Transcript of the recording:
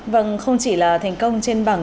vâng không chỉ là thành công trên bảng